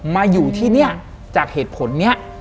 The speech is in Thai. มาอยู่ที่นี่จากเหตุผลนี้